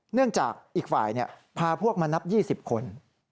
เนื่องจากอีกฝ่ายพาพวกมานับ๒๐คน